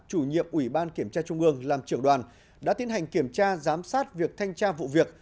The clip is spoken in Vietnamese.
chủ nhiệm ủy ban kiểm tra trung ương làm trưởng đoàn đã tiến hành kiểm tra giám sát việc thanh tra vụ việc